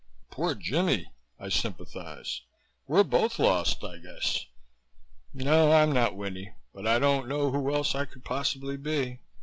"Poor Jimmie!" I sympathized. "We're both lost, I guess. No, I'm not Winnie but I don't know who else I could possibly be.